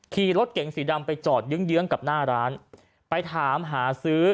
ขี่รถเก๋งสีดำไปจอดเยื้องเยื้องกับหน้าร้านไปถามหาซื้อ